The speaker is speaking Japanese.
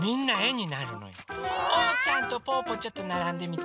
おうちゃんとぽぅぽちょっとならんでみて。